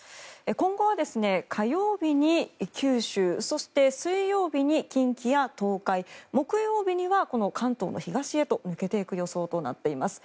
今後は火曜日に九州そして水曜日に近畿や東海木曜日には関東の東へと抜けていく予想となっています。